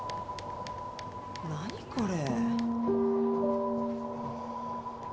何これ？